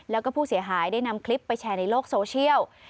แล้วก็ผู้เสียหายได้นำคลิปไปแชร์ในโลกโซเชียล